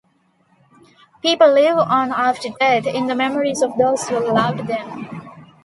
People live on after death in the memories of those who loved them.